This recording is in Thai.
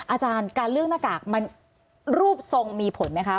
อาจารย์การเลือกหน้ากากมันรูปทรงมีผลไหมคะ